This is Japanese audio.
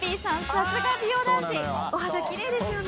さすが美容男子お肌キレイですよね